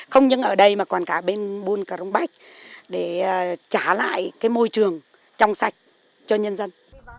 không những ở đây mà còn cả bên bun cà rông bách để trả lại môi trường trong sạch cho nhân dân